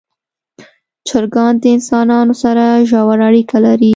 چرګان د انسانانو سره ژوره اړیکه لري.